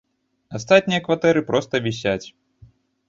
Астатнія кватэры проста вісяць.